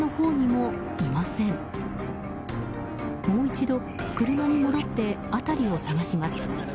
もう一度車に戻って辺りを探します。